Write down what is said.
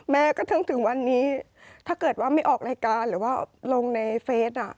กระทั่งถึงวันนี้ถ้าเกิดว่าไม่ออกรายการหรือว่าลงในเฟซ